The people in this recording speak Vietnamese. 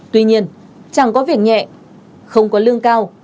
tuy nhiên chẳng có việc nhẹ không có lương cao